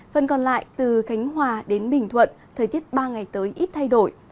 phần còn lại từ khánh hòa đến bình thuận thời tiết ba ngày tới ít thay đổi